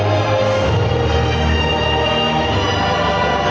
ขอบคุณค่ะ